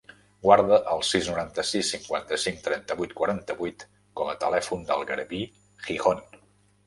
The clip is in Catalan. Guarda el sis, noranta-sis, cinquanta-cinc, trenta-vuit, quaranta-vuit com a telèfon del Garbí Gijon.